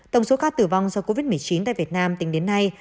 tổng số ca tử vong do covid một mươi chín tại việt nam tính đến nay